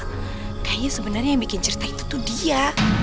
kayaknya sebenarnya yang bikin cerita itu tuh dia